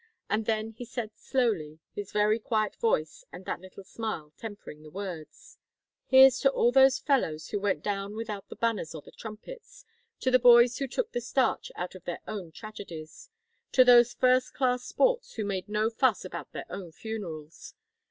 And then he said slowly, his very quiet voice and that little smile tempering the words: "Here's to all those fellows who went down without the banners or the trumpets! To the boys who took the starch out of their own tragedies! To those first class sports who made no fuss about their own funerals!